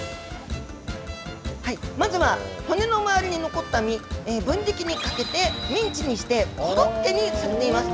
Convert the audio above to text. まずは、骨の周りに残った身、分離機にかけて、ミンチにしてコロッケにされています。